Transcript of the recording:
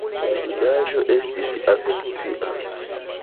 La vidaĵo estis afekcia!